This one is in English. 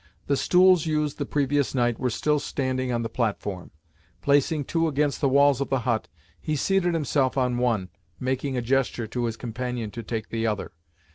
The stools used the previous night were still standing on the platform; placing two against the walls of the hut, he seated himself on one, making a gesture to his companion to take the other.